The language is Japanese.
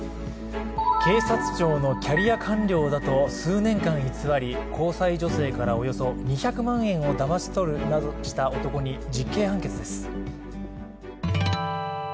警察庁のキャリア官僚だと数年間偽り、交際女性からおよそ２００万円をだまし取るなどした男に、実刑判決です。